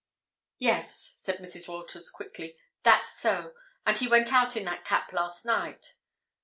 "Yes," said Mrs. Walters quickly, "that's so. And he went out in that cap last night.